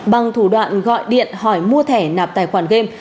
bằng thủ đoạn gọi điện hỏi mua thẻ nạp tài khoản game